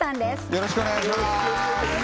よろしくお願いします